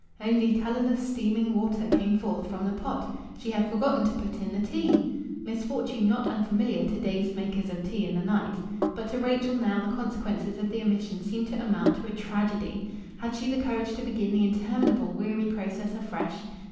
Only colourless steaming water came forth from the pot. She had forgotten to put in the tea! Misfortune not unfamiliar to dazed makers of tea in the night! But to Rachel now the consequences of the omission seemed to amount to a tragedy. Had she the courage to begin the interminable weary process afresh?